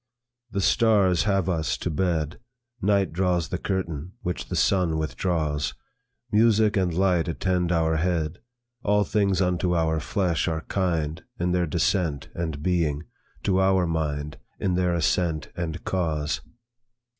"The stars have us to bed: Night draws the curtain; which the sun withdraws. Music and light attend our head. All things unto our flesh are kind, In their descent and being; to our mind, In their ascent and cause.